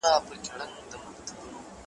ړوند افغان دی له لېوانو نه خلاصیږي `